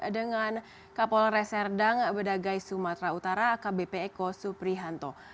dengan kapol reserdang bedagai sumatra utara kbp eko suprihanto